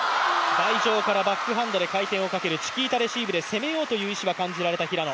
台上からバックハンドで回転をかける攻めようという意思が感じられた平野。